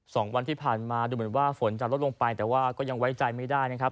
สองวันที่ผ่านมาดูเหมือนว่าฝนจะลดลงไปแต่ว่าก็ยังไว้ใจไม่ได้นะครับ